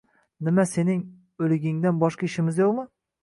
Nima, sening... o‘ligingdan boshqa ishimiz yo‘qmi?